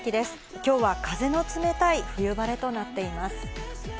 今日は風の冷たい冬晴れとなっています。